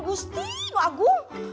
bukankah kamu agung